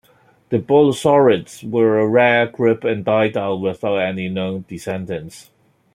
The bolosaurids were a rare group and died out without any known descendants.